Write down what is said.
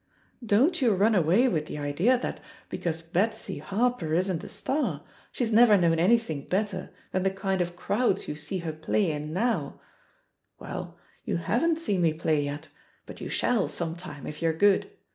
"Don't you run away with the idea that, because Betsy Har per isn't a star, she's never known anything bet ter than the kind of crowds you see her play in now I Well, you havenH seen me play yet, but you shall, some time, if you're good.